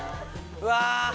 うわ。